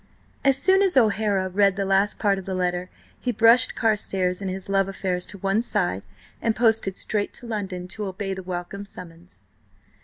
As soon as O'Hara read the last part of the letter he brushed Carstares and his love affairs to one side, and posted straight to London to obey the welcome summons.